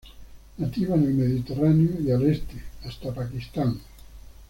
Nativa en el Mediterráneo y, al Este, hasta Pakistán.